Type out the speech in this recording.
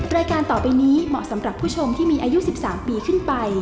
รายการต่อไปนี้เหมาะสำหรับผู้ชมที่มีอายุ๑๓ปีขึ้นไป